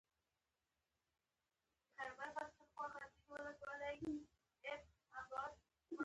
کورس د استادانو احترام ته هڅوي.